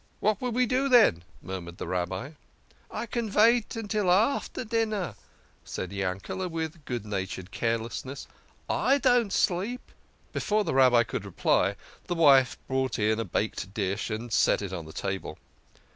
" What shall we do, then? " murmured the Rabbi. " I can vait till after dinner," said Yankel, with good natured carelessness, "/don't sleep " Before the Rabbi could reply, the wife brought in a baked dish, and set it on the table.